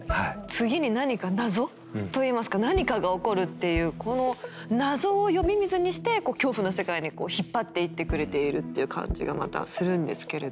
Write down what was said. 次に何か謎といいますか何かが起こるっていうこの謎を呼び水にしてこう恐怖の世界に引っ張っていってくれているって感じがまたするんですけれども。